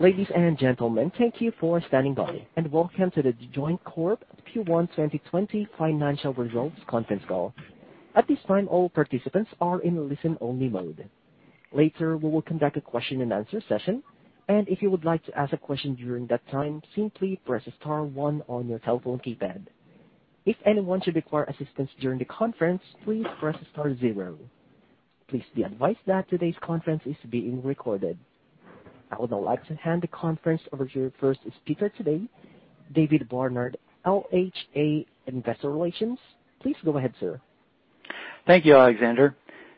Ladies and gentlemen, thank you for standing by, and welcome to The Joint Corp Q1 2020 financial results conference call. At this time, all participants are in listen-only mode. Later, we will conduct a question-and-answer session, and if you would like to ask a question during that time, simply press star one on your telephone keypad. If anyone should require assistance during the conference, please press star zero. Please be advised that today's conference is being recorded. I would now like to hand the conference over to your first speaker today, David Barnard, LHA Investor Relations. Please go ahead, sir. Thank you, Alexander.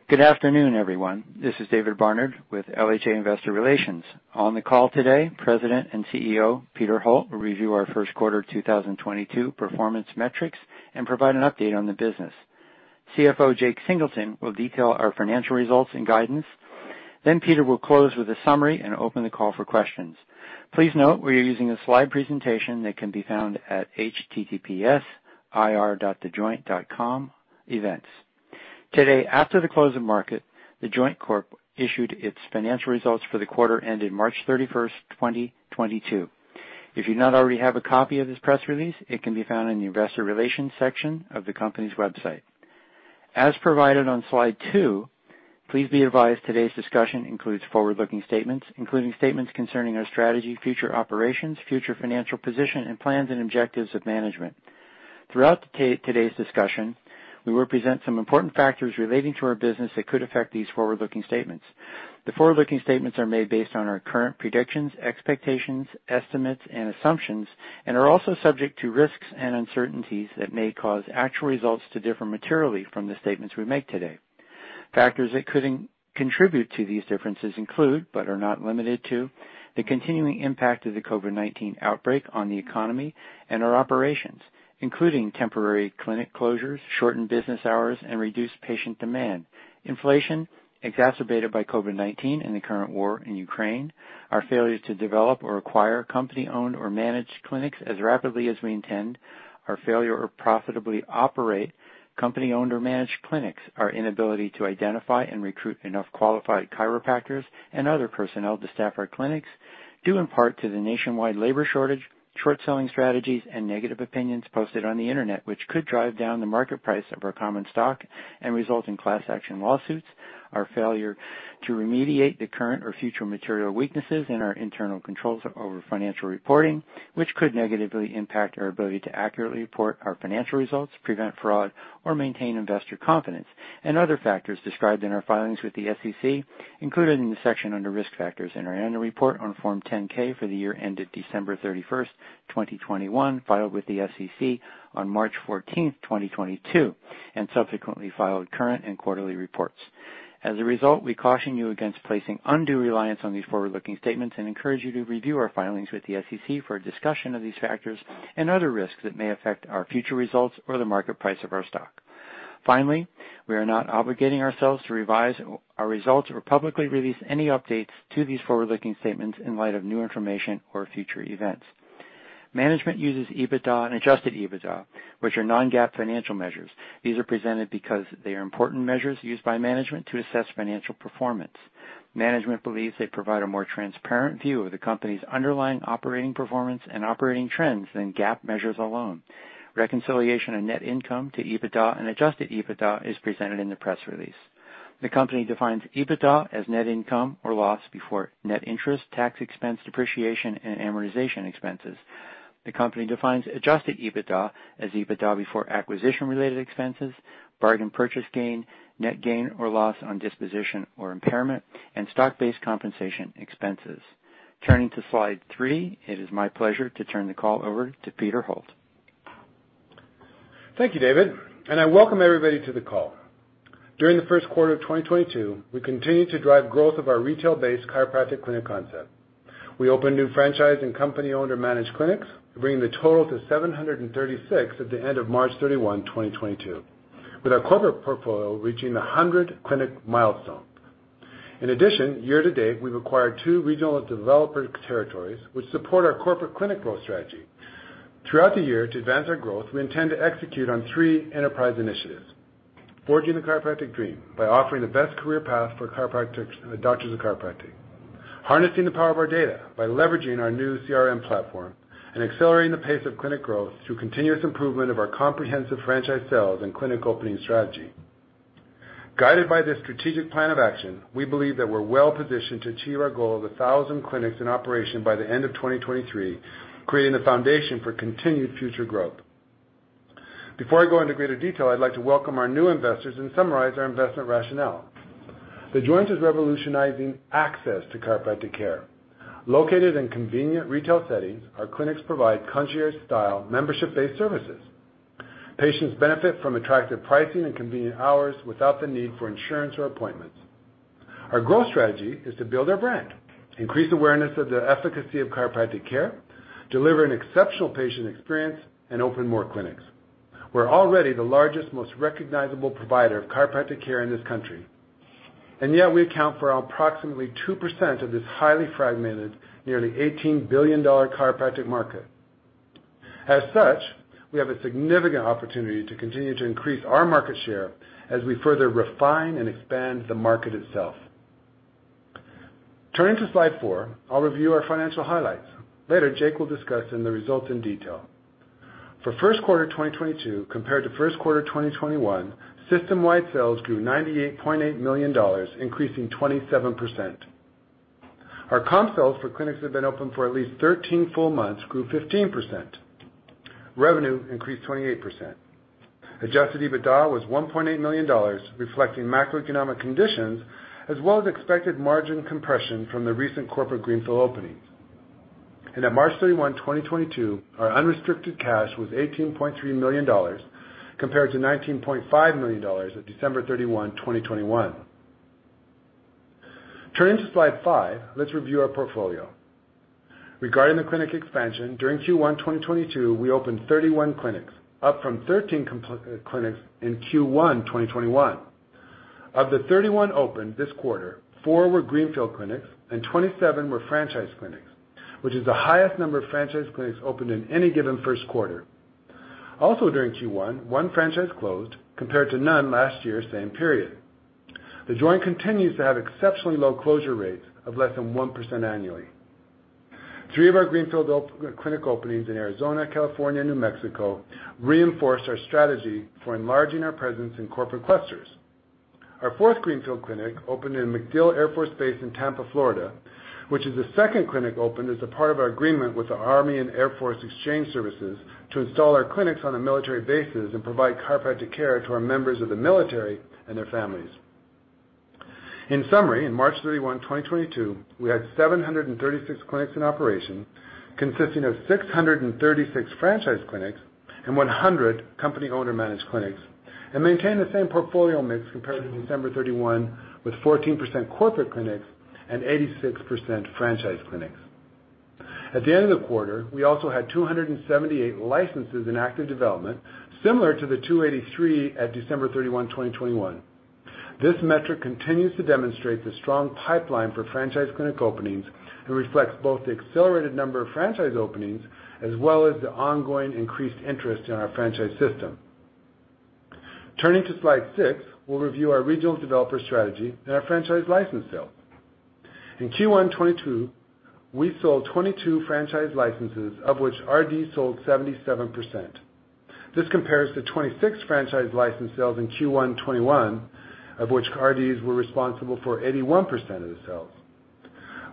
Good afternoon, everyone. This is David Barnard with LHA Investor Relations. On the call today, President and CEO Peter Holt will review our first quarter 2022 performance metrics and provide an update on the business. CFO Jake Singleton will detail our financial results and guidance. Peter will close with a summary and open the call for questions. Please note we are using a slide presentation that can be found at https://ir.thejoint.com/events. Today, after the close of market, The Joint Corp. issued its financial results for the quarter ending March 31, 2022. If you do not already have a copy of this press release, it can be found in the investor relations section of the company's website. As provided on slide two, please be advised today's discussion includes forward-looking statements, including statements concerning our strategy, future operations, future financial position, and plans and objectives of management. Throughout today's discussion, we will present some important factors relating to our business that could affect these forward-looking statements. The forward-looking statements are made based on our current predictions, expectations, estimates, and assumptions and are also subject to risks and uncertainties that may cause actual results to differ materially from the statements we make today. Factors that could contribute to these differences include, but are not limited to, the continuing impact of the COVID-19 outbreak on the economy and our operations, including temporary clinic closures, shortened business hours, and reduced patient demand. Inflation exacerbated by COVID-19 and the current war in Ukraine, our failure to develop or acquire company-owned or managed clinics as rapidly as we intend, our failure to profitably operate company-owned or managed clinics, our inability to identify and recruit enough qualified chiropractors and other personnel to staff our clinics due in part to the nationwide labor shortage, short-selling strategies, and negative opinions posted on the Internet, which could drive down the market price of our common stock and result in class action lawsuits. Our failure to remediate the current or future material weaknesses in our internal controls over financial reporting, which could negatively impact our ability to accurately report our financial results, prevent fraud, or maintain investor confidence. Other factors described in our filings with the SEC included in the section under Risk Factors in our annual report on Form 10-K for the year ended December 31, 2021, filed with the SEC on March 14, 2022, and subsequently filed current and quarterly reports. As a result, we caution you against placing undue reliance on these forward-looking statements and encourage you to review our filings with the SEC for a discussion of these factors and other risks that may affect our future results or the market price of our stock. Finally, we are not obligating ourselves to revise our results or publicly release any updates to these forward-looking statements in light of new information or future events. Management uses EBITDA and adjusted EBITDA, which are non-GAAP financial measures. These are presented because they are important measures used by management to assess financial performance. Management believes they provide a more transparent view of the company's underlying operating performance and operating trends than GAAP measures alone. Reconciliation of net income to EBITDA and adjusted EBITDA is presented in the press release. The company defines EBITDA as net income or loss before net interest, tax expense, depreciation, and amortization expenses. The company defines adjusted EBITDA as EBITDA before acquisition-related expenses, bargain purchase gain, net gain or loss on disposition or impairment, and stock-based compensation expenses. Turning to slide three, it is my pleasure to turn the call over to Peter Holt. Thank you, David, and I welcome everybody to the call. During the first quarter of 2022, we continued to drive growth of our retail-based chiropractic clinic concept. We opened new franchise and company-owned or managed clinics, bringing the total to 736 at the end of March 31, 2022, with our corporate portfolio reaching the 100 clinic milestone. In addition, year to date, we've acquired two regional developer territories which support our corporate clinic growth strategy. Throughout the year, to advance our growth, we intend to execute on three enterprise initiatives. Forging the chiropractic dream by offering the best career path for chiropractors and doctors of chiropractic. Harnessing the power of our data by leveraging our new CRM platform. Accelerating the pace of clinic growth through continuous improvement of our comprehensive franchise sales and clinic opening strategy. Guided by this strategic plan of action, we believe that we're well-positioned to achieve our goal of 1,000 clinics in operation by the end of 2023, creating a foundation for continued future growth. Before I go into greater detail, I'd like to welcome our new investors and summarize our investment rationale. The Joint is revolutionizing access to chiropractic care. Located in convenient retail settings, our clinics provide concierge-style, membership-based services. Patients benefit from attractive pricing and convenient hours without the need for insurance or appointments. Our growth strategy is to build our brand, increase awareness of the efficacy of chiropractic care, deliver an exceptional patient experience, and open more clinics. We're already the largest, most recognizable provider of chiropractic care in this country, and yet we account for approximately 2% of this highly fragmented, nearly $18 billion chiropractic market. As such, we have a significant opportunity to continue to increase our market share as we further refine and expand the market itself. Turning to slide four, I'll review our financial highlights. Later, Jake will discuss in the results in detail. For first quarter 2022 compared to first quarter 2021, system-wide sales grew $98.8 million, increasing 27%. Our comp sales for clinics have been open for at least 13 full months, grew 15%. Revenue increased 28%. Adjusted EBITDA was $1.8 million, reflecting macroeconomic conditions as well as expected margin compression from the recent corporate greenfield openings. At March 31, 2022, our unrestricted cash was $18.3 million, compared to $19.5 million at December 31, 2021. Turning to slide five, let's review our portfolio. Regarding the clinic expansion, during Q1 2022, we opened 31 clinics, up from 13 clinics in Q1 2021. Of the 31 opened this quarter, four were greenfield clinics and 27 were franchise clinics, which is the highest number of franchise clinics opened in any given first quarter. Also during Q1, one franchise closed compared to none last year same period. The Joint continues to have exceptionally low closure rates of less than 1% annually. Three of our greenfield clinic openings in Arizona, California, and New Mexico reinforced our strategy for enlarging our presence in corporate clusters. Our fourth greenfield clinic opened in MacDill Air Force Base in Tampa, Florida, which is the second clinic opened as a part of our agreement with the Army & Air Force Exchange Service to install our clinics on the military bases and provide chiropractic care to our members of the military and their families. In summary, in March 31, 2022, we had 736 clinics in operation, consisting of 636 franchise clinics and 100 company owner-managed clinics, and maintained the same portfolio mix compared to December 31 with 14% corporate clinics and 86% franchise clinics. At the end of the quarter, we also had 278 licenses in active development, similar to the 283 at December 31, 2021. This metric continues to demonstrate the strong pipeline for franchise clinic openings and reflects both the accelerated number of franchise openings as well as the ongoing increased interest in our franchise system. Turning to slide six, we'll review our regional developer strategy and our franchise license sales. In Q1 2022, we sold 22 franchise licenses, of which RD sold 77%. This compares to 26 franchise license sales in Q1 2021, of which RDs were responsible for 81% of the sales.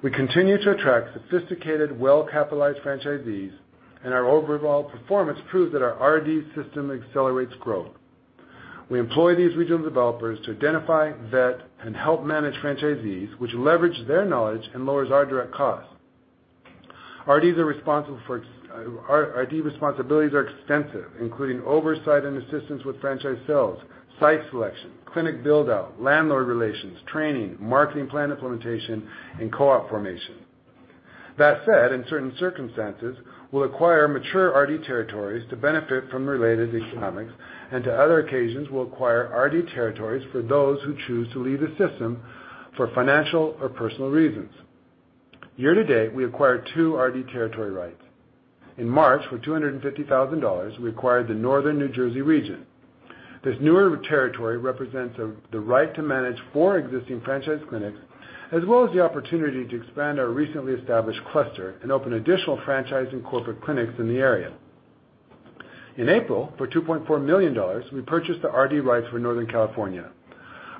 We continue to attract sophisticated, well-capitalized franchisees, and our overall performance proves that our RD system accelerates growth. We employ these regional developers to identify, vet, and help manage franchisees, which leverage their knowledge and lowers our direct costs. RD responsibilities are extensive, including oversight and assistance with franchise sales, site selection, clinic build-out, landlord relations, training, marketing plan implementation, and co-op formation. That said, in certain circumstances, we'll acquire mature RD territories to benefit from related economics, and in other occasions, we'll acquire RD territories for those who choose to leave the system for financial or personal reasons. Year to date, we acquired two RD territory rights. In March, for $250,000, we acquired the Northern New Jersey region. This newer territory represents the right to manage four existing franchise clinics, as well as the opportunity to expand our recently established cluster and open additional franchise and corporate clinics in the area. In April, for $2.4 million, we purchased the RD rights for Northern California.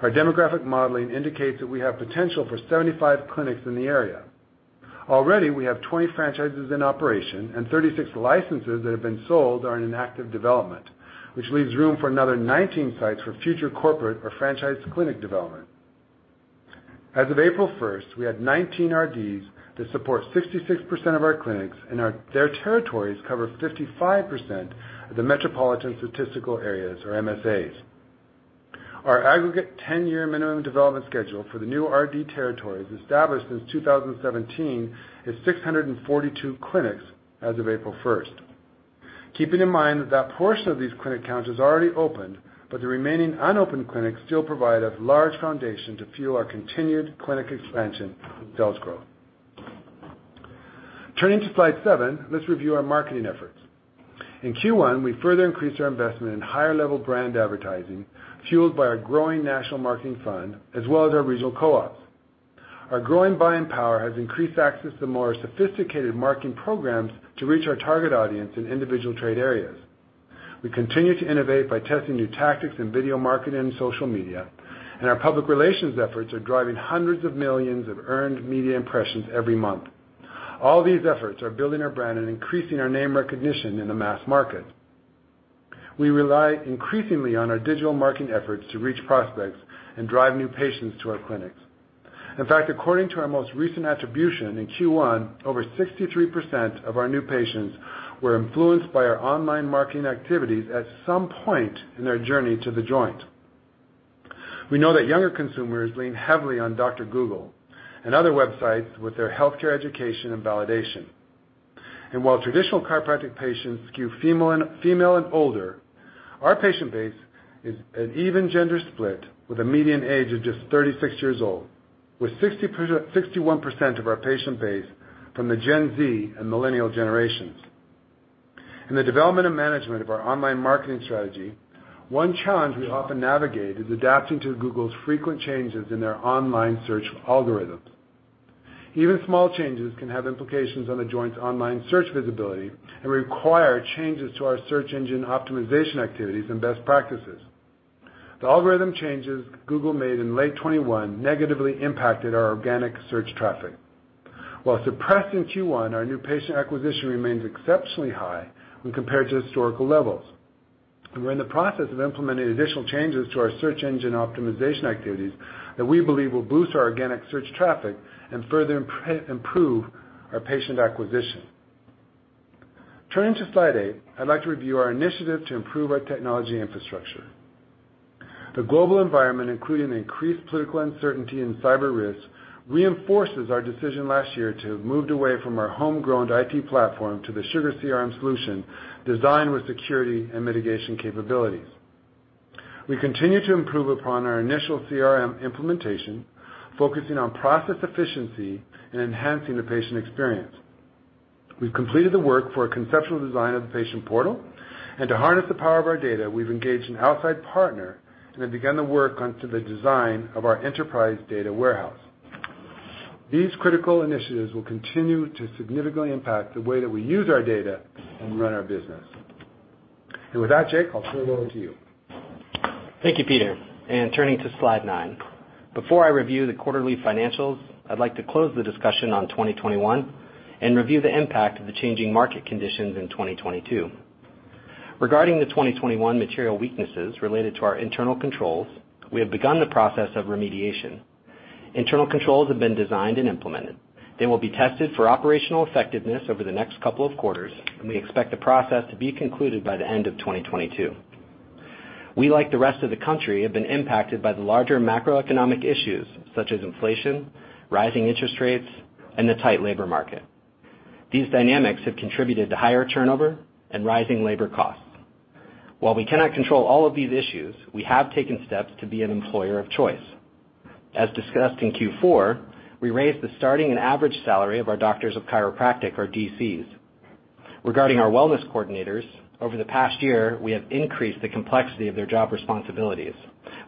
Our demographic modeling indicates that we have potential for 75 clinics in the area. Already, we have 20 franchises in operation and 36 licenses that have been sold are in active development, which leaves room for another 19 sites for future corporate or franchise clinic development. As of April 1st, we had 19 RDs that support 66% of our clinics, and their territories cover 55% of the metropolitan statistical areas or MSAs. Our aggregate 10-year minimum development schedule for the new RD territories established since 2017 is 642 clinics as of April 1st. Keeping in mind that portion of these clinic counts is already opened, but the remaining unopened clinics still provide a large foundation to fuel our continued clinic expansion and sales growth. Turning to slide seven, let's review our marketing efforts. In Q1, we further increased our investment in higher-level brand advertising, fueled by our growing national marketing fund as well as our regional co-ops. Our growing buying power has increased access to more sophisticated marketing programs to reach our target audience in individual trade areas. We continue to innovate by testing new tactics in video marketing and social media, and our public relations efforts are driving hundreds of millions of earned media impressions every month. All these efforts are building our brand and increasing our name recognition in the mass market. We rely increasingly on our digital marketing efforts to reach prospects and drive new patients to our clinics. In fact, according to our most recent attribution, in Q1, over 63% of our new patients were influenced by our online marketing activities at some point in their journey to The Joint. We know that younger consumers lean heavily on Dr. Google and other websites with their healthcare education and validation. While traditional chiropractic patients skew female and older. Our patient base is an even gender split with a median age of just 36 years old, with 61% of our patient base from the Gen Z and millennial generations. In the development and management of our online marketing strategy, one challenge we often navigate is adapting to Google's frequent changes in their online search algorithms. Even small changes can have implications on The Joint's online search visibility and require changes to our search engine optimization activities and best practices. The algorithm changes Google made in late 2021 negatively impacted our organic search traffic. While suppressed in Q1, our new patient acquisition remains exceptionally high when compared to historical levels. We're in the process of implementing additional changes to our search engine optimization activities that we believe will boost our organic search traffic and further improve our patient acquisition. Turning to slide eight, I'd like to review our initiatives to improve our technology infrastructure. The global environment, including increased political uncertainty and cyber risks, reinforces our decision last year to have moved away from our homegrown IT platform to the SugarCRM solution designed with security and mitigation capabilities. We continue to improve upon our initial CRM implementation, focusing on process efficiency and enhancing the patient experience. We've completed the work for a conceptual design of the patient portal. To harness the power of our data, we've engaged an outside partner and have begun to work on the design of our enterprise data warehouse. These critical initiatives will continue to significantly impact the way that we use our data and run our business. With that, Jake, I'll turn it over to you. Thank you, Peter. Turning to slide nine. Before I review the quarterly financials, I'd like to close the discussion on 2021 and review the impact of the changing market conditions in 2022. Regarding the 2021 material weaknesses related to our internal controls, we have begun the process of remediation. Internal controls have been designed and implemented. They will be tested for operational effectiveness over the next couple of quarters, and we expect the process to be concluded by the end of 2022. We, like the rest of the country, have been impacted by the larger macroeconomic issues such as inflation, rising interest rates, and the tight labor market. These dynamics have contributed to higher turnover and rising labor costs. While we cannot control all of these issues, we have taken steps to be an employer of choice. As discussed in Q4, we raised the starting and average salary of our doctors of chiropractic or DCs. Regarding our wellness coordinators, over the past year, we have increased the complexity of their job responsibilities,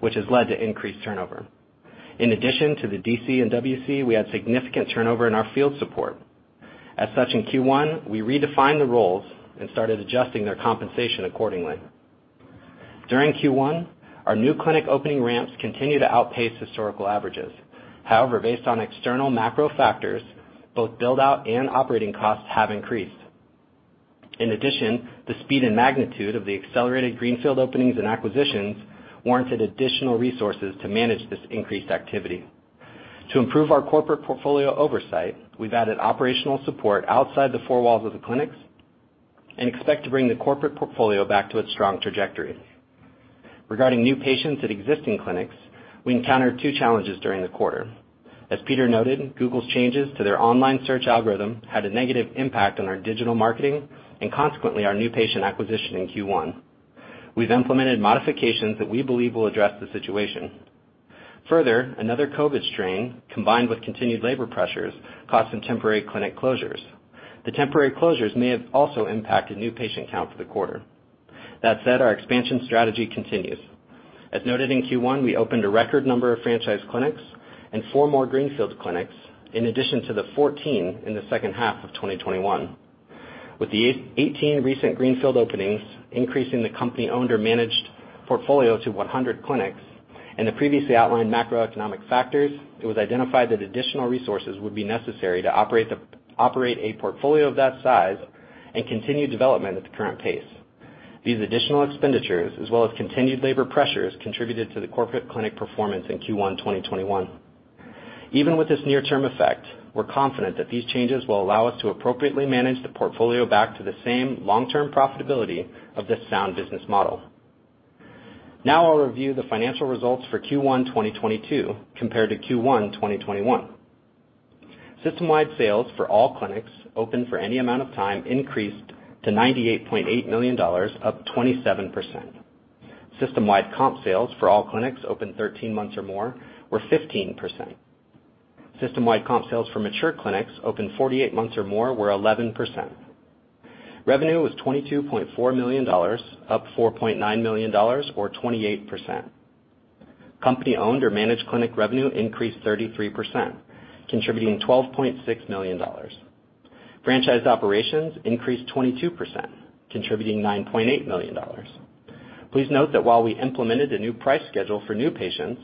which has led to increased turnover. In addition to the DC and WC, we had significant turnover in our field support. As such, in Q1, we redefined the roles and started adjusting their compensation accordingly. During Q1, our new clinic opening ramps continued to outpace historical averages. However, based on external macro factors, both build-out and operating costs have increased. In addition, the speed and magnitude of the accelerated greenfield openings and acquisitions warranted additional resources to manage this increased activity. To improve our corporate portfolio oversight, we've added operational support outside the four walls of the clinics and expect to bring the corporate portfolio back to its strong trajectory. Regarding new patients at existing clinics, we encountered two challenges during the quarter. As Peter noted, Google's changes to their online search algorithm had a negative impact on our digital marketing and consequently, our new patient acquisition in Q1. We've implemented modifications that we believe will address the situation. Further, another COVID strain, combined with continued labor pressures, caused some temporary clinic closures. The temporary closures may have also impacted new patient count for the quarter. That said, our expansion strategy continues. As noted in Q1, we opened a record number of franchise clinics and four more greenfield clinics, in addition to the 14 in the second half of 2021. With the 18 recent greenfield openings increasing the company-owned or managed portfolio to 100 clinics and the previously outlined macroeconomic factors, it was identified that additional resources would be necessary to operate a portfolio of that size and continue development at the current pace. These additional expenditures, as well as continued labor pressures, contributed to the corporate clinic performance in Q1 2021. Even with this near-term effect, we're confident that these changes will allow us to appropriately manage the portfolio back to the same long-term profitability of this sound business model. Now I'll review the financial results for Q1 2022 compared to Q1 2021. System-wide sales for all clinics open for any amount of time increased to $98.8 million, up 27%. System-wide comp sales for all clinics open 13 months or more were 15%. System-wide comp sales for mature clinics open 48 months or more were 11%. Revenue was $22.4 million, up $4.9 million or 28%. Company-owned or managed clinic revenue increased 33%, contributing $12.6 million. Franchised operations increased 22%, contributing $9.8 million. Please note that while we implemented a new price schedule for new patients,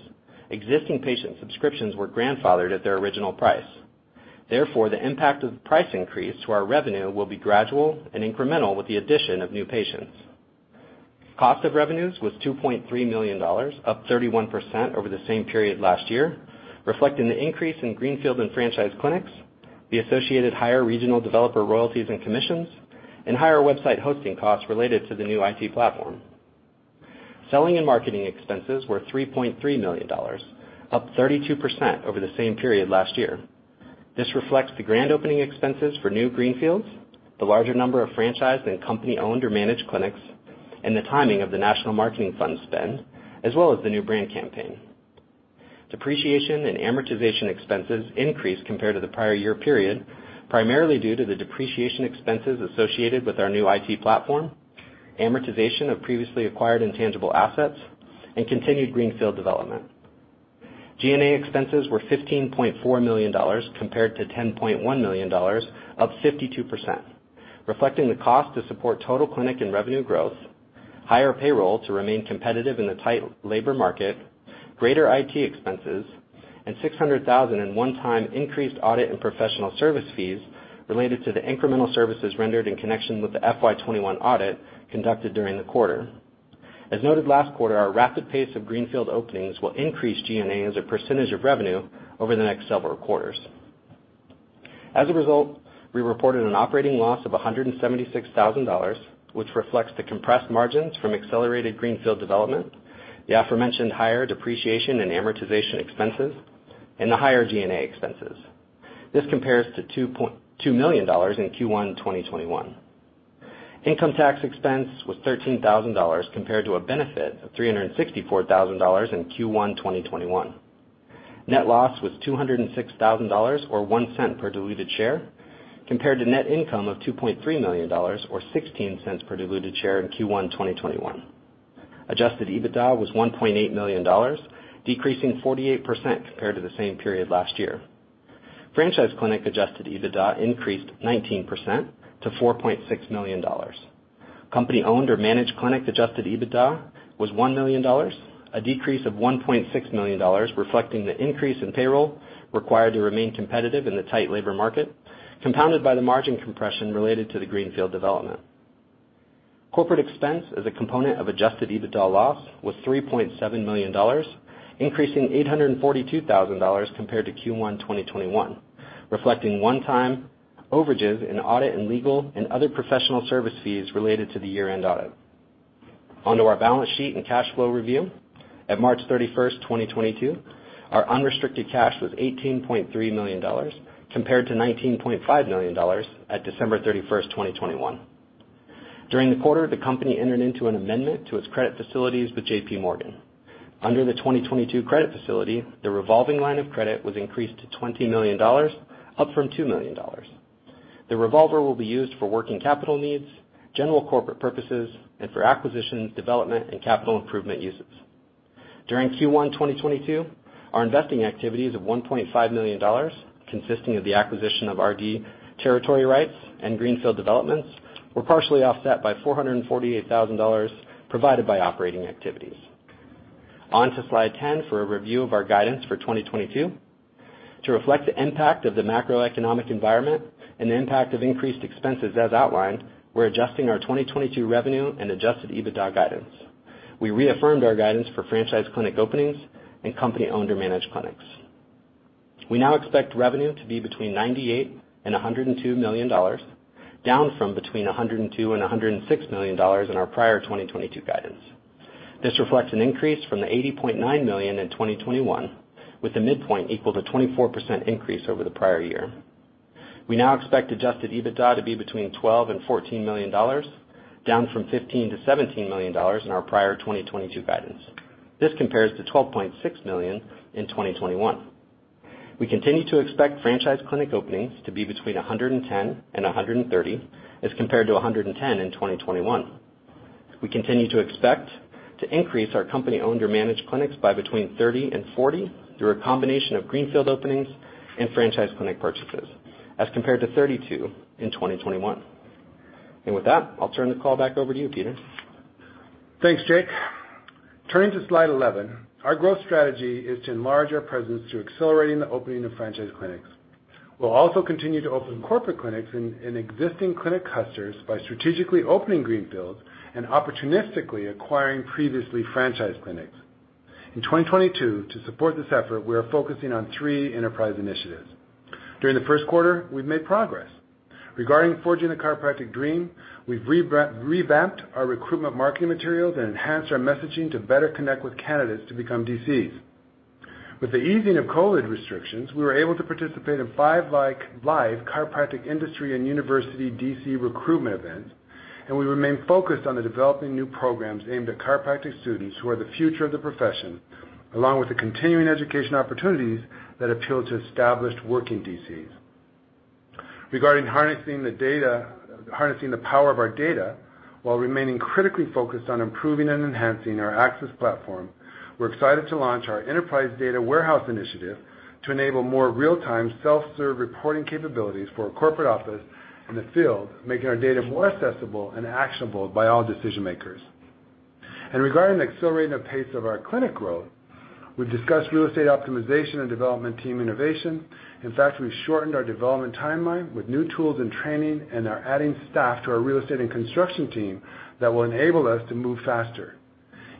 existing patient subscriptions were grandfathered at their original price. Therefore, the impact of the price increase to our revenue will be gradual and incremental with the addition of new patients. Cost of revenues was $2.3 million, up 31% over the same period last year, reflecting the increase in greenfield and franchise clinics, the associated higher regional developer royalties and commissions, and higher website hosting costs related to the new IT platform. Selling and marketing expenses were $3.3 million, up 32% over the same period last year. This reflects the grand opening expenses for new greenfields, the larger number of franchise and company-owned or managed clinics, and the timing of the national marketing fund spend, as well as the new brand campaign. Depreciation and amortization expenses increased compared to the prior year period, primarily due to the depreciation expenses associated with our new IT platform, amortization of previously acquired intangible assets, and continued greenfield development. G&A expenses were $15.4 million compared to $10.1 million, up 52%, reflecting the cost to support total clinic and revenue growth, higher payroll to remain competitive in the tight labor market, greater IT expenses, and $600,000 in one-time increased audit and professional service fees related to the incremental services rendered in connection with the FY 2021 audit conducted during the quarter. As noted last quarter, our rapid pace of greenfield openings will increase G&A as a percentage of revenue over the next several quarters. As a result, we reported an operating loss of $176,000, which reflects the compressed margins from accelerated greenfield development, the aforementioned higher depreciation and amortization expenses, and the higher G&A expenses. This compares to $2.2 million in Q1 2021. Income tax expense was $13,000 compared to a benefit of $364,000 in Q1 2021. Net loss was $206,000 or $0.01 per diluted share compared to net income of $2.3 million or $0.16 per diluted share in Q1 2021. Adjusted EBITDA was $1.8 million, decreasing 48% compared to the same period last year. Franchise clinic adjusted EBITDA increased 19% to $4.6 million. Company-owned or managed clinic adjusted EBITDA was $1 million, a decrease of $1.6 million, reflecting the increase in payroll required to remain competitive in the tight labor market, compounded by the margin compression related to the greenfield development. Corporate expense as a component of adjusted EBITDA loss was $3.7 million, increasing $842,000 compared to Q1 2021, reflecting one-time overages in audit and legal and other professional service fees related to the year-end audit. On to our balance sheet and cash flow review. At March 31, 2022, our unrestricted cash was $18.3 million compared to $19.5 million at December 31, 2021. During the quarter, the company entered into an amendment to its credit facilities with JP Morgan. Under the 2022 credit facility, the revolving line of credit was increased to $20 million, up from $2 million. The revolver will be used for working capital needs, general corporate purposes, and for acquisitions, development, and capital improvement uses. During Q1 2022, our investing activities of $1.5 million, consisting of the acquisition of RD territory rights and greenfield developments, were partially offset by $448,000 provided by operating activities. On to slide 10 for a review of our guidance for 2022. To reflect the impact of the macroeconomic environment and the impact of increased expenses as outlined, we're adjusting our 2022 revenue and adjusted EBITDA guidance. We reaffirmed our guidance for franchise clinic openings and company-owned or managed clinics. We now expect revenue to be between $98 million and $102 million, down from between $102 million and $106 million in our prior 2022 guidance. This reflects an increase from the $80.9 million in 2021, with the midpoint equal to 24% increase over the prior year. We now expect adjusted EBITDA to be between $12 million and $14 million, down from $15-$17 million in our prior 2022 guidance. This compares to $12.6 million in 2021. We continue to expect franchise clinic openings to be between 110 and 130 as compared to 110 in 2021. We continue to expect to increase our company-owned or managed clinics by between 30 and 40 through a combination of greenfield openings and franchise clinic purchases, as compared to 32 in 2021. With that, I'll turn the call back over to you, Peter. Thanks, Jake. Turning to slide 11. Our growth strategy is to enlarge our presence through accelerating the opening of franchise clinics. We'll also continue to open corporate clinics in existing clinic clusters by strategically opening greenfields and opportunistically acquiring previously franchised clinics. In 2022, to support this effort, we are focusing on three enterprise initiatives. During the first quarter, we've made progress. Regarding forging the chiropractic dream, we've revamped our recruitment marketing materials and enhanced our messaging to better connect with candidates to become DCs. With the easing of COVID restrictions, we were able to participate in five live chiropractic industry and university DC recruitment events, and we remain focused on developing new programs aimed at chiropractic students who are the future of the profession, along with the continuing education opportunities that appeal to established working DCs. Regarding harnessing the power of our data while remaining critically focused on improving and enhancing our access platform, we're excited to launch our enterprise data warehouse initiative to enable more real-time, self-serve reporting capabilities for our corporate office in the field, making our data more accessible and actionable by all decision makers. Regarding accelerating the pace of our clinic growth, we've discussed real estate optimization and development team innovation. In fact, we've shortened our development timeline with new tools and training and are adding staff to our real estate and construction team that will enable us to move faster.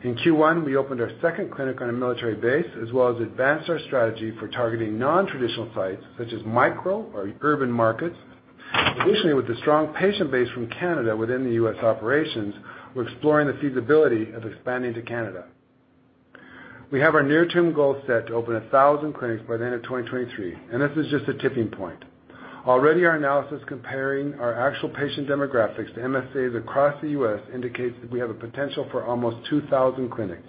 In Q1, we opened our second clinic on a military base, as well as advanced our strategy for targeting non-traditional sites such as micro or urban markets. Additionally, with the strong patient base from Canada within the U.S. operations, we're exploring the feasibility of expanding to Canada. We have our near-term goal set to open 1,000 clinics by the end of 2023, and this is just a tipping point. Already, our analysis comparing our actual patient demographics to MSAs across the U.S. indicates that we have a potential for almost 2,000 clinics,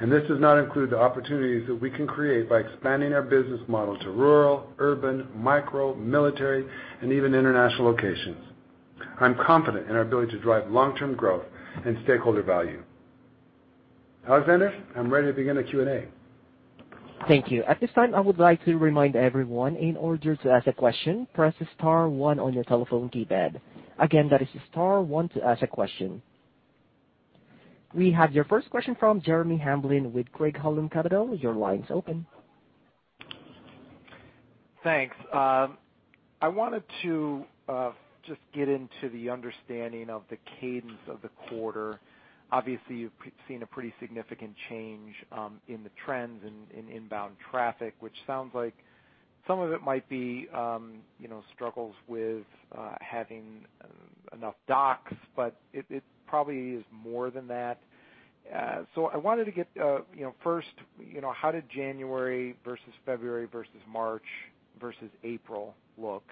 and this does not include the opportunities that we can create by expanding our business model to rural, urban, micro, military, and even international locations. I'm confident in our ability to drive long-term growth and stakeholder value. Alexander, I'm ready to begin the Q&A. Thank you. At this time, I would like to remind everyone in order to ask a question, press star one on your telephone keypad. Again, that is star one to ask a question. We have your first question from Jeremy Hamblin with Craig-Hallum Capital Group. Your line's open. Thanks. I wanted to just get into the understanding of the cadence of the quarter. Obviously, you've seen a pretty significant change in the trends in inbound traffic, which sounds like some of it might be, you know, struggles with having enough docs, but it probably is more than that. I wanted to get, you know, first, you know, how did January versus February versus March versus April look?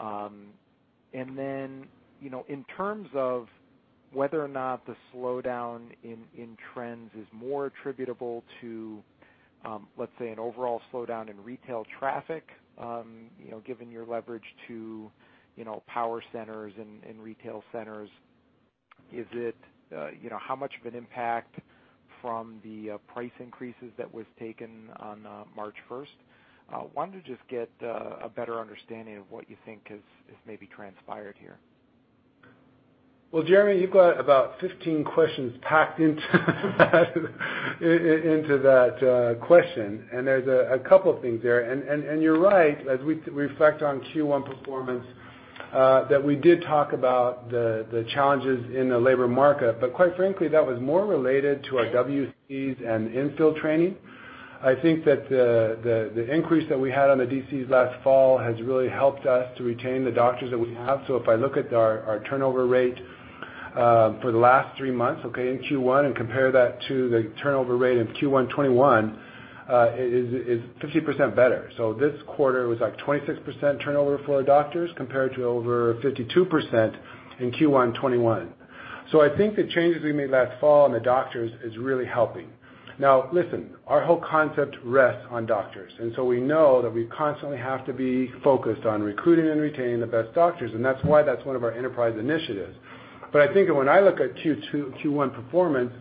And then, you know, in terms of whether or not the slowdown in trends is more attributable to, let's say, an overall slowdown in retail traffic, you know, given your leverage to, you know, power centers and retail centers, is it, you know, how much of an impact from the price increases that was taken on March 1st? Wanted to just get a better understanding of what you think has maybe transpired here. Jeremy, you've got about 15 questions packed into that question, and there's a couple things there. You're right, as we reflect on Q1 performance, that we did talk about the challenges in the labor market. Quite frankly, that was more related to our WCs and infill training. I think that the increase that we had on the DCs last fall has really helped us to retain the doctors that we have. If I look at our turnover rate for the last three months in Q1 and compare that to the turnover rate in Q1 2021, it's 50% better. This quarter was like 26% turnover for our doctors compared to over 52% in Q1 2021. I think the changes we made last fall on the doctors is really helping. Now, listen, our whole concept rests on doctors, and so we know that we constantly have to be focused on recruiting and retaining the best doctors, and that's why that's one of our enterprise initiatives. I think that when I look at Q1 performance,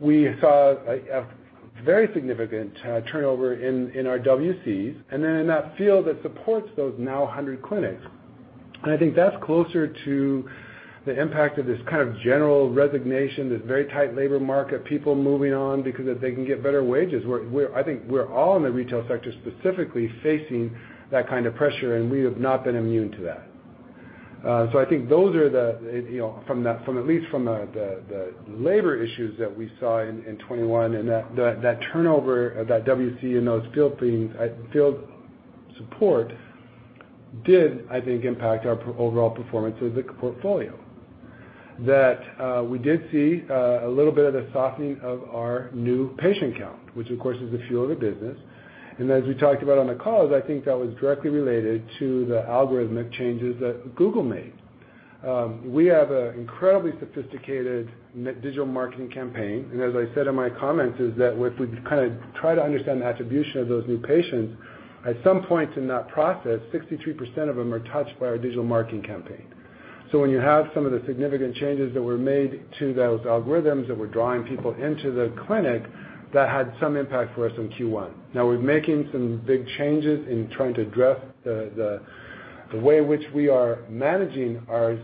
we saw a very significant turnover in our DCs, and then in that field that supports those now 100 clinics. I think that's closer to the impact of this kind of general resignation, this very tight labor market, people moving on because if they can get better wages. I think we're all in the retail sector, specifically facing that kind of pressure, and we have not been immune to that. I think those are the, you know, from at least the labor issues that we saw in 2021 and that turnover, that WC and those field teams, field support did, I think, impact our overall performance of the portfolio. That we did see a little bit of a softening of our new patient count, which of course is the fuel of the business. As we talked about on the call, I think that was directly related to the algorithmic changes that Google made. We have an incredibly sophisticated digital marketing campaign, and as I said in my comments, is that if we kind of try to understand the attribution of those new patients, at some point in that process, 63% of them are touched by our digital marketing campaign. When you have some of the significant changes that were made to those algorithms that were drawing people into the clinic, that had some impact for us in Q1. Now we're making some big changes in trying to address the way in which we are managing our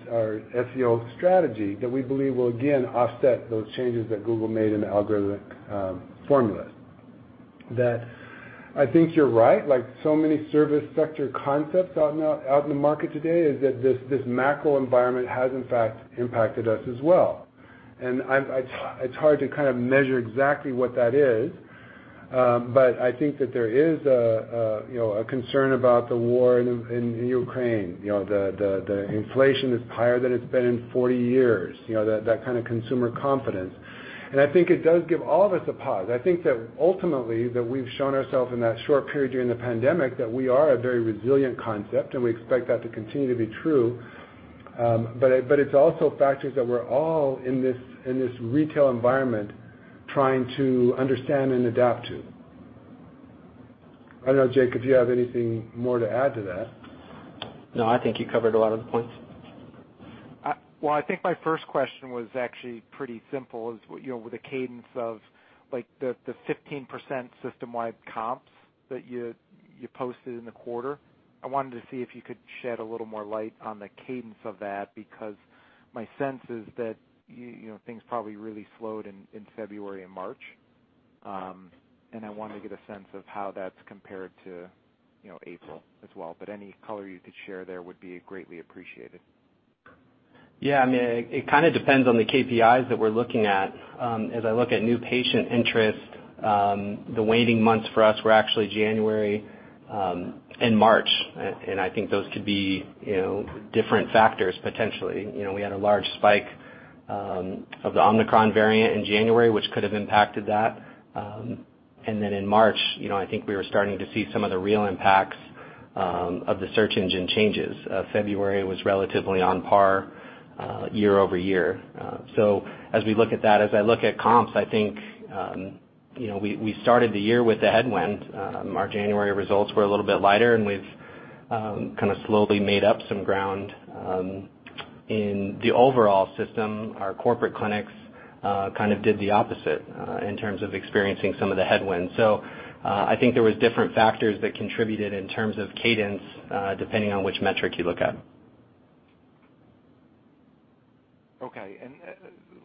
SEO strategy that we believe will again offset those changes that Google made in the algorithmic formulas. That I think you're right, like so many service sector concepts out in the market today is that this macro environment has in fact impacted us as well. It's hard to kind of measure exactly what that is. But I think that there is a you know a concern about the war in Ukraine. You know, the inflation is higher than it's been in 40 years, you know, that kind of consumer confidence. I think it does give all of us pause. I think that ultimately, we've shown ourselves in that short period during the pandemic that we are a very resilient concept, and we expect that to continue to be true. But it's also factors that we're all in this retail environment trying to understand and adapt to. I don't know, Jake, if you have anything more to add to that. No, I think you covered a lot of the points. Well, I think my first question was actually pretty simple is, you know, with the cadence of like the 15% system-wide comps that you posted in the quarter. I wanted to see if you could shed a little more light on the cadence of that because my sense is that, you know, things probably really slowed in February and March. I wanted to get a sense of how that's compared to, you know, April as well. Any color you could share there would be greatly appreciated. Yeah. I mean, it kinda depends on the KPIs that we're looking at. As I look at new patient interest, the waiting months for us were actually January. In March. I think those could be, you know, different factors potentially. You know, we had a large spike of the Omicron variant in January, which could have impacted that. In March, you know, I think we were starting to see some of the real impacts of the search engine changes. February was relatively on par year-over-year. As we look at that, as I look at comps, I think, you know, we started the year with a headwind. Our January results were a little bit lighter, and we've kinda slowly made up some ground in the overall system. Our corporate clinics kind of did the opposite in terms of experiencing some of the headwinds. I think there was different factors that contributed in terms of cadence, depending on which metric you look at. Okay.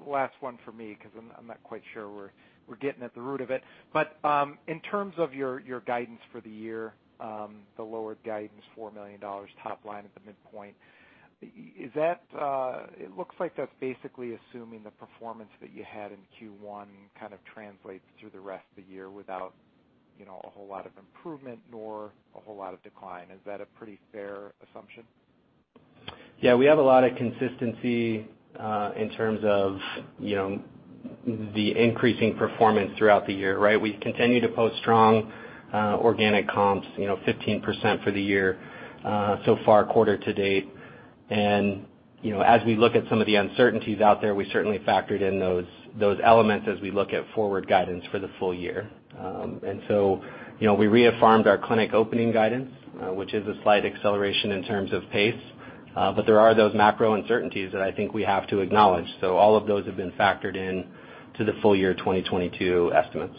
Last one for me 'cause I'm not quite sure we're getting at the root of it. In terms of your guidance for the year, the lower guidance, $4 million top line at the midpoint, is that. It looks like that's basically assuming the performance that you had in Q1 kind of translates through the rest of the year without, you know, a whole lot of improvement nor a whole lot of decline. Is that a pretty fair assumption? Yeah. We have a lot of consistency in terms of, you know, the increasing performance throughout the year, right? We continue to post strong organic comps, you know, 15% for the year, so far quarter to date. You know, as we look at some of the uncertainties out there, we certainly factored in those elements as we look at forward guidance for the full year. You know, we reaffirmed our clinic opening guidance, which is a slight acceleration in terms of pace. There are those macro uncertainties that I think we have to acknowledge. All of those have been factored into the full year 2022 estimates.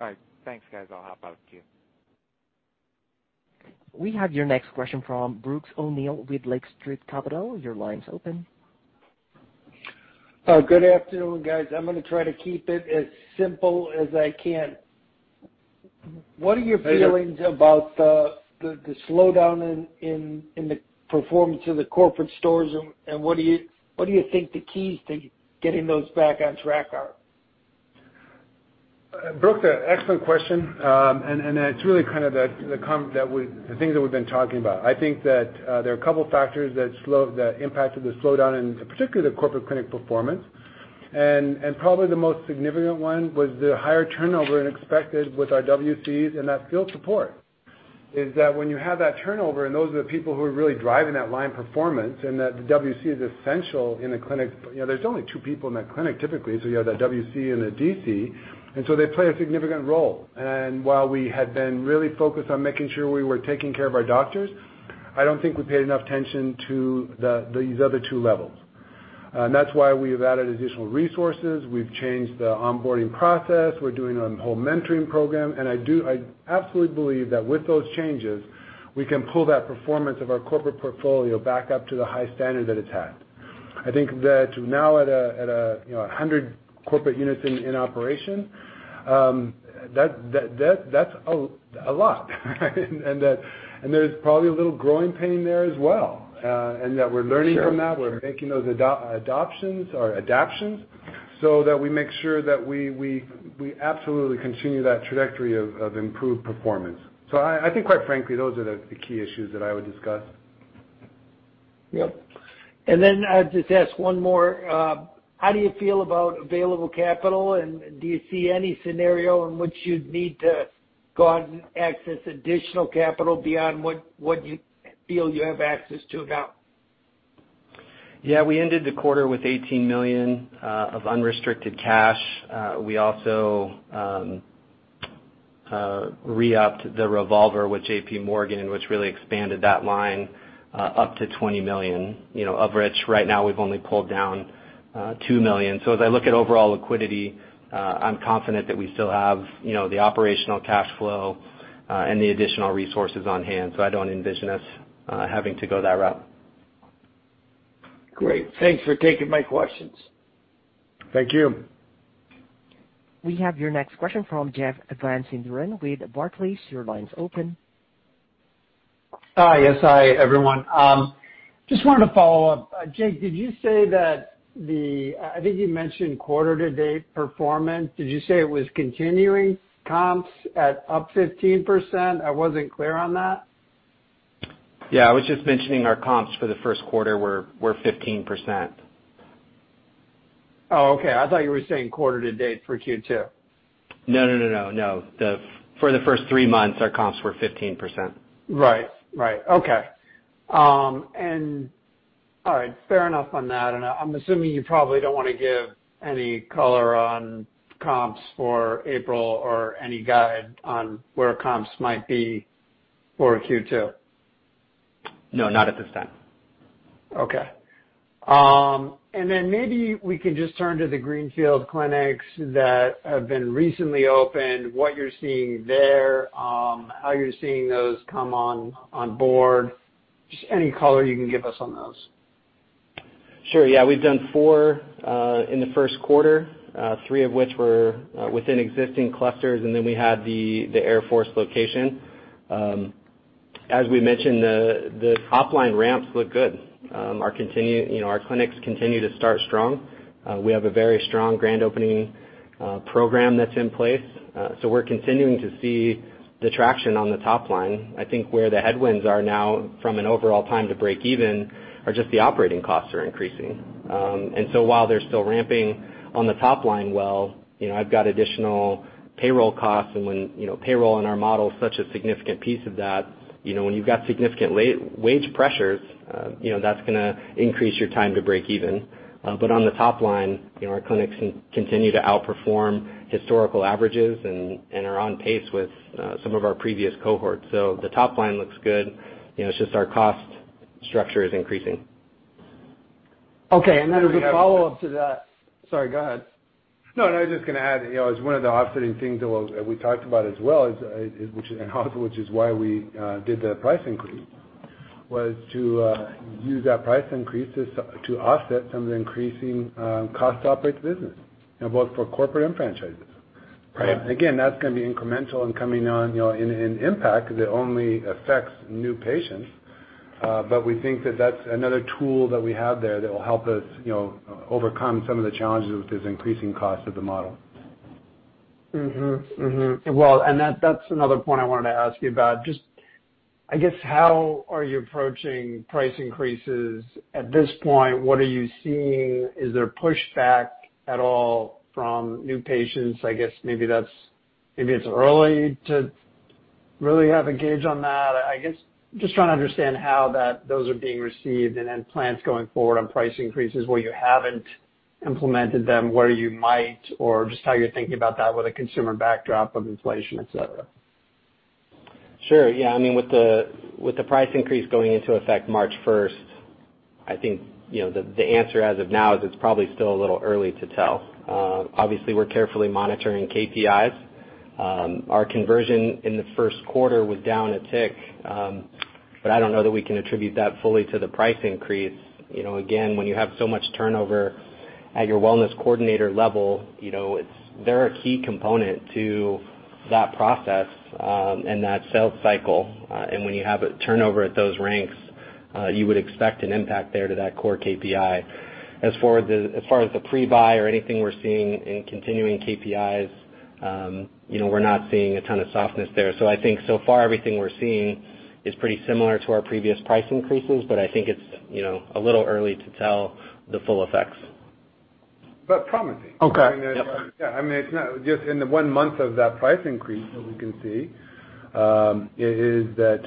All right. Thanks, guys. I'll hop out of queue. We have your next question from Brooks O'Neil with Lake Street Capital. Your line's open. Good afternoon, guys. I'm gonna try to keep it as simple as I can. What are your feelings about the slowdown in the performance of the corporate stores and what do you think the keys to getting those back on track are? Brooks, excellent question. It's really kind of the things that we've been talking about. I think that there are a couple factors that impacted the slowdown, and particularly the corporate clinic performance. Probably the most significant one was the higher turnover than expected with our WCs and that field support, is that when you have that turnover and those are the people who are really driving that line performance and that the WC is essential in a clinic, you know, there's only two people in that clinic typically. You have that WC and a DC, and so they play a significant role. While we had been really focused on making sure we were taking care of our doctors, I don't think we paid enough attention to these other two levels. That's why we have added additional resources. We've changed the onboarding process. We're doing a whole mentoring program. I absolutely believe that with those changes, we can pull that performance of our corporate portfolio back up to the high standard that it's had. I think that now at a, you know, 100 corporate units in operation, that's a lot and there's probably a little growing pain there as well. We're learning from that. We're making those adoptions or adaptations so that we make sure that we absolutely continue that trajectory of improved performance. I think quite frankly, those are the key issues that I would discuss. Yep. I'll just ask one more. How do you feel about available capital, and do you see any scenario in which you'd need to go out and access additional capital beyond what you feel you have access to now? Yeah. We ended the quarter with $18 million of unrestricted cash. We also re-upped the revolver with JP Morgan, which really expanded that line up to $20 million, you know, of which right now we've only pulled down $2 million. As I look at overall liquidity, I'm confident that we still have, you know, the operational cash flow and the additional resources on hand, so I don't envision us having to go that route. Great. Thanks for taking my questions. Thank you. We have your next question from Jeff Van Sinderen with Barclays. Your line's open. Hi. Yes, hi, everyone. Just wanted to follow up. Jake, did you say that? I think you mentioned quarter to date performance. Did you say it was continuing comps at up 15%? I wasn't clear on that. Yeah. I was just mentioning our comps for the first quarter were 15%. Oh, okay. I thought you were saying quarter to date for Q2. No. For the first three months, our comps were 15%. Right. Okay. All right, fair enough on that. I'm assuming you probably don't wanna give any color on comps for April or any guide on where comps might be for Q2. No, not at this time. Okay. Maybe we can just turn to the greenfield clinics that have been recently opened, what you're seeing there, how you're seeing those come on board. Just any color you can give us on those. Sure. Yeah. We've done four in the first quarter, three of which were within existing clusters, and then we had the Air Force location. As we mentioned, the top-line ramps look good. Our clinics continue to start strong. We have a very strong grand opening program that's in place. We're continuing to see the traction on the top line. I think where the headwinds are now from an overall time to breakeven are just the operating costs are increasing. While they're still ramping on the top line, well, you know, I've got additional payroll costs. When, you know, payroll in our model is such a significant piece of that, you know, when you've got significant wage pressures, you know, that's gonna increase your time to breakeven. on the top line, you know, our clinics continue to outperform historical averages and are on pace with some of our previous cohorts. The top line looks good. You know, it's just our cost structure is increasing. Okay. As a follow-up to that. Sorry, go ahead. No, no, I was just gonna add, you know, as one of the offsetting things a little that we talked about as well is, which is why we did the price increase, was to use that price increase to offset some of the increasing cost to operate the business, and both for corporate and franchises. Right. Again, that's gonna be incremental and coming on, you know, in impact that only affects new patients. We think that that's another tool that we have there that will help us, you know, overcome some of the challenges with this increasing cost of the model. Well, that's another point I wanted to ask you about. Just, I guess, how are you approaching price increases at this point? What are you seeing? Is there pushback at all from new patients? I guess maybe that's, maybe it's early to really have a gauge on that. I guess, just trying to understand how that, those are being received and then plans going forward on price increases where you haven't implemented them, where you might, or just how you're thinking about that with a consumer backdrop of inflation, et cetera. Sure, yeah. I mean, with the price increase going into effect March 1st, I think, you know, the answer as of now is it's probably still a little early to tell. Obviously, we're carefully monitoring KPIs. Our conversion in the first quarter was down a tick, but I don't know that we can attribute that fully to the price increase. You know, again, when you have so much turnover at your wellness coordinator level, you know, they're a key component to that process, and that sales cycle. When you have a turnover at those ranks, you would expect an impact there to that core KPI. As far as the pre-buy or anything we're seeing in continuing KPIs, you know, we're not seeing a ton of softness there. I think so far everything we're seeing is pretty similar to our previous price increases, but I think it's, you know, a little early to tell the full effects. Promising. Okay. Yep. I mean, yeah, I mean, it's not just in the one month of that price increase that we can see, is that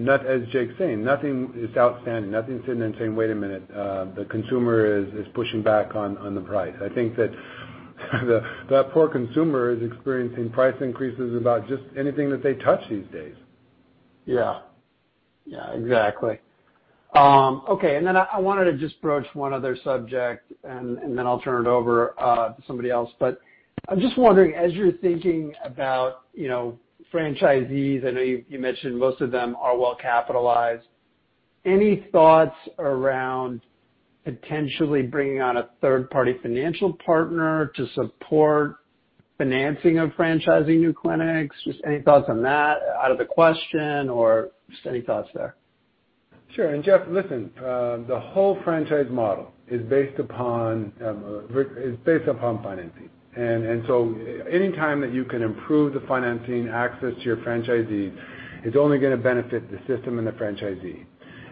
not, as Jake's saying, nothing is outstanding. Nothing's sitting there and saying, "Wait a minute," the consumer is pushing back on the price. I think that the poor consumer is experiencing price increases about just anything that they touch these days. Yeah. Yeah, exactly. Okay. Then I wanted to just broach one other subject, and then I'll turn it over to somebody else. I'm just wondering, as you're thinking about, you know, franchisees, I know you mentioned most of them are well capitalized. Any thoughts around potentially bringing on a third-party financial partner to support financing of franchising new clinics? Just any thoughts on that? Out of the question, or just any thoughts there? Sure. Jeff, listen, the whole franchise model is based upon financing. So anytime that you can improve the financing access to your franchisees, it's only gonna benefit the system and the franchisee.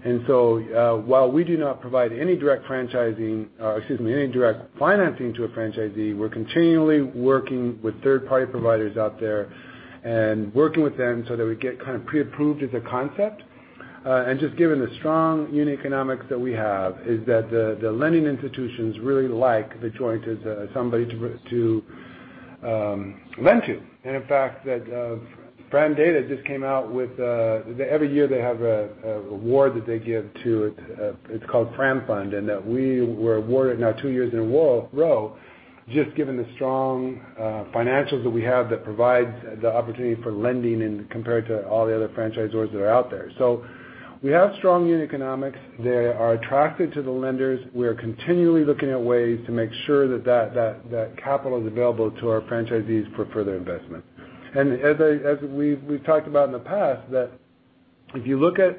While we do not provide any direct franchising, or excuse me, any direct financing to a franchisee, we're continually working with third-party providers out there and working with them so that we get kind of pre-approved as a concept. Just given the strong unit economics that we have, the lending institutions really like The Joint as somebody to lend to. In fact, that FRANdata just came out with every year they have a award that they give to, it's called FranFund, and that we were awarded now two years in a row, just given the strong financials that we have that provides the opportunity for lending and compared to all the other franchisors that are out there. We have strong unit economics. They are attractive to the lenders. We are continually looking at ways to make sure that capital is available to our franchisees for further investment. As we've talked about in the past, that if you look at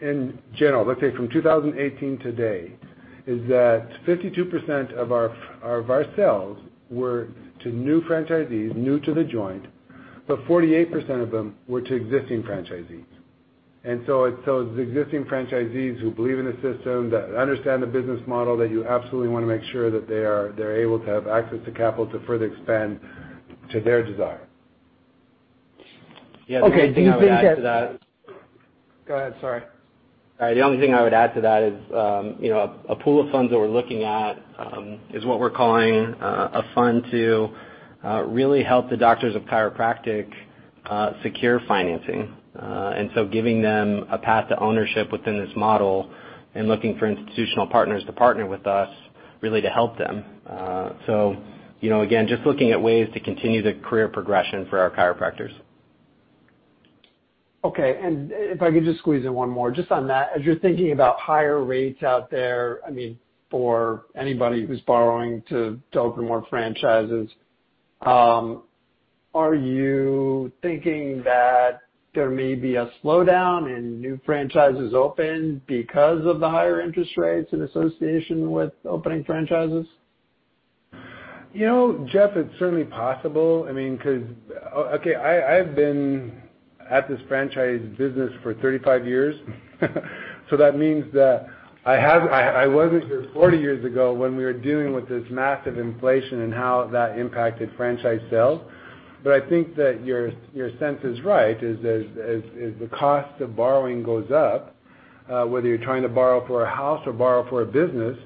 in general, let's say from 2018 today, is that 52% of our sales were to new franchisees, new to The Joint, but 48% of them were to existing franchisees. It's those existing franchisees who believe in the system, that understand the business model, that you absolutely wanna make sure that they're able to have access to capital to further expand to their desire. Yeah, the only thing I would add to that. Go ahead, sorry. All right. The only thing I would add to that is, you know, a pool of funds that we're looking at is what we're calling a fund to really help the doctors of chiropractic secure financing. Giving them a path to ownership within this model and looking for institutional partners to partner with us really to help them. You know, again, just looking at ways to continue the career progression for our chiropractors. Okay. If I could just squeeze in one more. Just on that, as you're thinking about higher rates out there, I mean, for anybody who's borrowing to open more franchises Are you thinking that there may be a slowdown in new franchises open because of the higher interest rates in association with opening franchises? You know, Jeff, it's certainly possible. I mean, 'cause, Okay, I've been at this franchise business for 35 years. That means that I wasn't here 40 years ago when we were dealing with this massive inflation and how that impacted franchise sales. I think that your sense is right, is that as the cost of borrowing goes up, whether you're trying to borrow for a house or borrow for a business,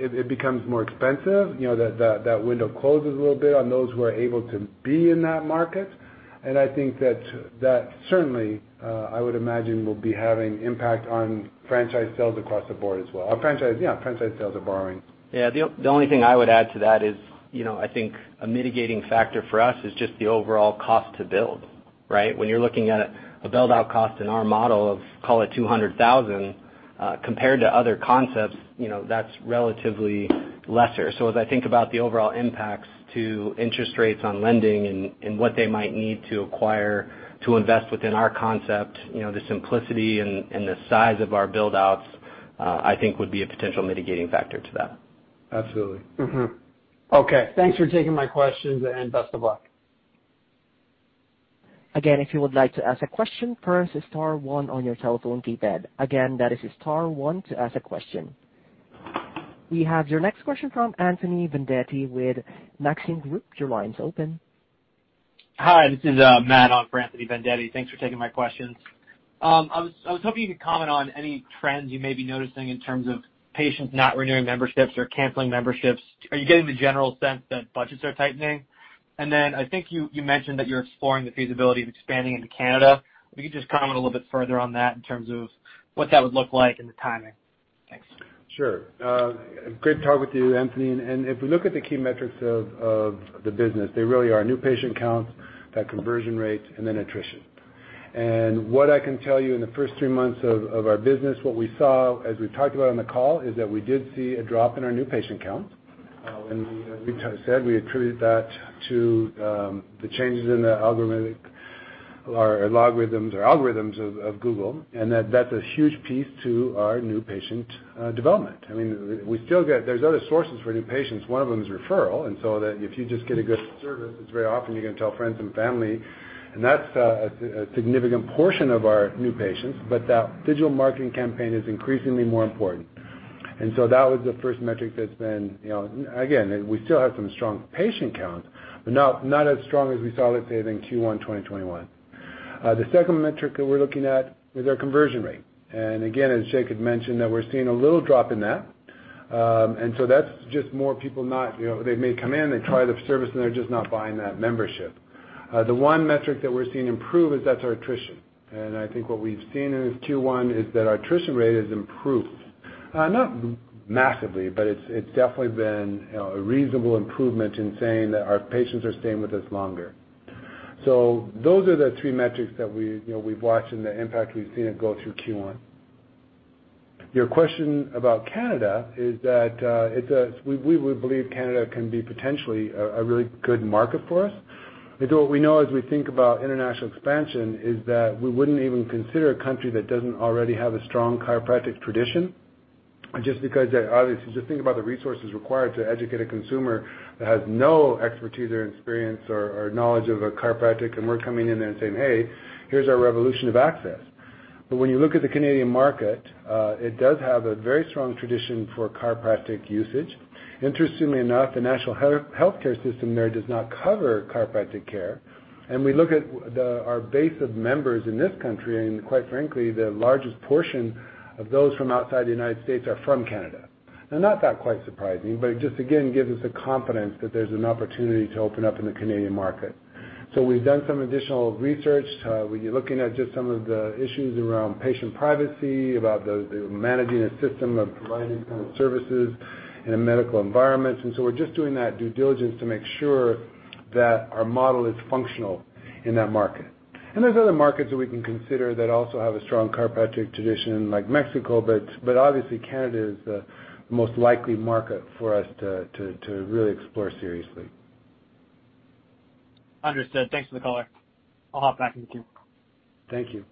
it becomes more expensive. You know, that window closes a little bit on those who are able to be in that market. I think that certainly, I would imagine will be having impact on franchise sales across the board as well. Our franchise, yeah, franchise sales are borrowing. Yeah. The only thing I would add to that is, you know, I think a mitigating factor for us is just the overall cost to build, right? When you're looking at a build-out cost in our model of call it $200,000, compared to other concepts, you know, that's relatively lesser. As I think about the overall impacts to interest rates on lending and what they might need to acquire to invest within our concept, you know, the simplicity and the size of our build-outs, I think would be a potential mitigating factor to that. Absolutely. Okay. Thanks for taking my questions, and best of luck. Again, if you would like to ask a question, press star one on your telephone keypad. Again, that is star one to ask a question. We have your next question from Anthony Vendetti with Maxim Group. Your line's open. Hi, this is Matt on for Anthony Vendetti. Thanks for taking my questions. I was hoping you could comment on any trends you may be noticing in terms of patients not renewing memberships or canceling memberships. Are you getting the general sense that budgets are tightening? I think you mentioned that you're exploring the feasibility of expanding into Canada. If you could just comment a little bit further on that in terms of what that would look like and the timing. Thanks. Sure. Great to talk with you, Anthony. If we look at the key metrics of the business, they really are new patient counts, that conversion rate and then attrition. What I can tell you in the first three months of our business, what we saw as we talked about on the call, is that we did see a drop in our new patient count. We said we attributed that to the changes in the algorithms of Google, and that's a huge piece to our new patient development. I mean, we still get. There's other sources for new patients. One of them is referral. If you just get a good service, it's very often you're gonna tell friends and family, and that's a significant portion of our new patients. That digital marketing campaign is increasingly more important. That was the first metric that's been, you know. Again, we still have some strong patient count, but not as strong as we saw, let's say, than Q1 2021. The second metric that we're looking at is our conversion rate. Again, as Jake mentioned, that we're seeing a little drop in that. That's just more people not, you know, they may come in, they try the service, and they're just not buying that membership. The one metric that we're seeing improve is that our attrition. I think what we've seen in this Q1 is that our attrition rate has improved. Not massively, but it's definitely been, you know, a reasonable improvement in saying that our patients are staying with us longer. Those are the three metrics that we, you know, we've watched and the impact we've seen it go through Q1. Your question about Canada is that we believe Canada can be potentially a really good market for us. What we know as we think about international expansion is that we wouldn't even consider a country that doesn't already have a strong chiropractic tradition just because obviously just think about the resources required to educate a consumer that has no expertise or experience or knowledge of chiropractic, and we're coming in there and saying, "Hey, here's our revolution of access." When you look at the Canadian market, it does have a very strong tradition for chiropractic usage. Interestingly enough, the national healthcare system there does not cover chiropractic care. We look at our base of members in this country, and quite frankly, the largest portion of those from outside the United States are from Canada. Now, not that quite surprising, but it just again gives us the confidence that there's an opportunity to open up in the Canadian market. We've done some additional research, we're looking at just some of the issues around patient privacy, about the managing a system of providing kind of services in a medical environment. We're just doing that due diligence to make sure that our model is functional in that market. There's other markets that we can consider that also have a strong chiropractic tradition like Mexico, but obviously Canada is the most likely market for us to really explore seriously. Understood. Thanks for the color. I'll hop back in the queue. Thank you.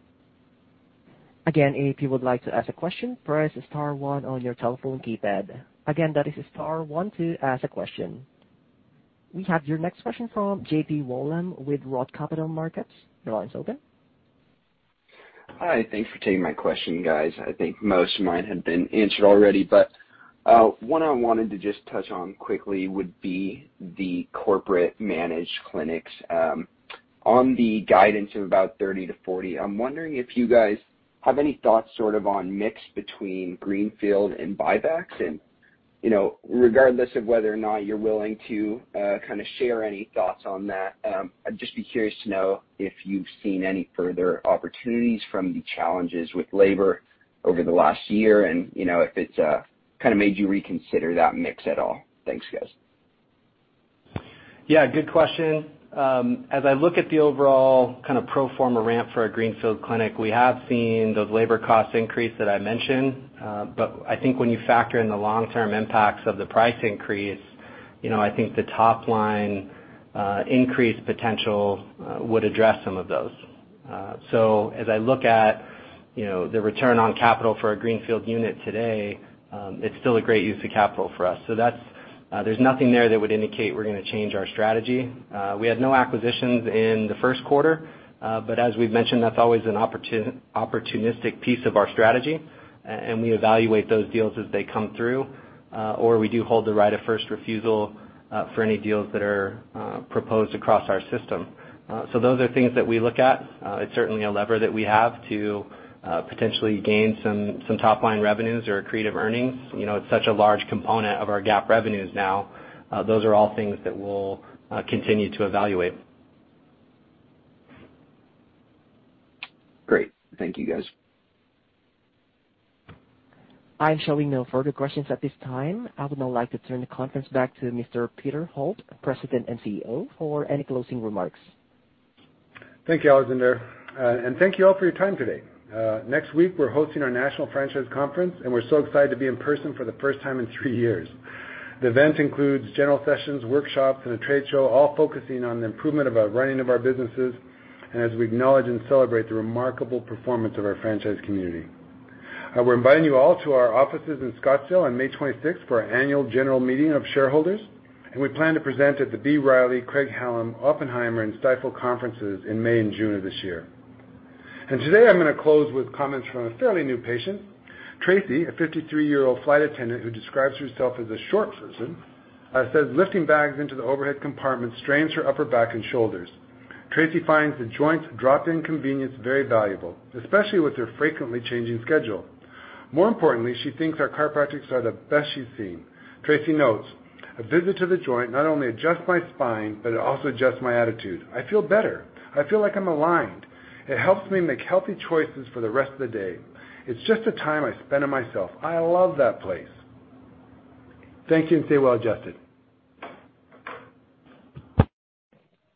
Again, if you would like to ask a question, press star one on your telephone keypad. Again, that is star one to ask a question. We have your next question from JP Wollam with ROTH Capital Partners. Your line's open. Hi. Thanks for taking my question, guys. I think most of mine have been answered already, but one I wanted to just touch on quickly would be the corporate managed clinics. On the guidance of about 30-40, I'm wondering if you guys have any thoughts sort of on mix between greenfield and buybacks and, you know, regardless of whether or not you're willing to kinda share any thoughts on that. I'd just be curious to know if you've seen any further opportunities from the challenges with labor over the last year and, you know, if it's kinda made you reconsider that mix at all. Thanks, guys. Yeah, good question. As I look at the overall kind of pro forma ramp for our greenfield clinic, we have seen those labor costs increase that I mentioned. I think when you factor in the long-term impacts of the price increase. You know, I think the top line increase potential would address some of those. As I look at, you know, the return on capital for our greenfield unit today, it's still a great use of capital for us. There's nothing there that would indicate we're gonna change our strategy. We had no acquisitions in the first quarter, but as we've mentioned, that's always an opportunistic piece of our strategy, and we evaluate those deals as they come through, or we do hold the right of first refusal, for any deals that are proposed across our system. Those are things that we look at. It's certainly a lever that we have to potentially gain some top-line revenues or accretive earnings. You know, it's such a large component of our GAAP revenues now. Those are all things that we'll continue to evaluate. Great. Thank you, guys. I'm showing no further questions at this time. I would now like to turn the conference back to Mr. Peter Holt, President and CEO, for any closing remarks. Thank you, Alexander. Thank you all for your time today. Next week, we're hosting our national franchise conference, and we're so excited to be in person for the first time in three years. The event includes general sessions, workshops, and a trade show, all focusing on the improvement of our running of our businesses, and as we acknowledge and celebrate the remarkable performance of our franchise community. We're inviting you all to our offices in Scottsdale on May 26th for our Annual General Meeting of Shareholders, and we plan to present at the B. Riley, Craig-Hallum, Oppenheimer, and Stifel conferences in May and June of this year. Today I'm gonna close with comments from a fairly new patient. Tracy, a 53-year-old flight attendant who describes herself as a short person, says lifting bags into the overhead compartment strains her upper back and shoulders. Tracy finds The Joint's drop-in convenience very valuable, especially with her frequently changing schedule. More importantly, she thinks our chiropractic are the best she's seen. Tracy notes, "A visit to The Joint not only adjusts my spine, but it also adjusts my attitude. I feel better. I feel like I'm aligned. It helps me make healthy choices for the rest of the day. It's just the time I spend on myself. I love that place." Thank you, and stay well adjusted.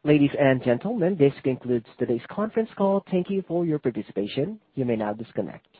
Ladies and gentlemen, this concludes today's conference call. Thank you for your participation. You may now disconnect.